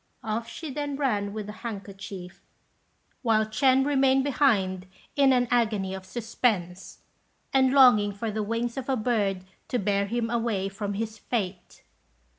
Off she then ran with the handkerchief, while Ch'ên remained behind in an agony of suspense, and longing for the wings of a bird to bear him away from his fate.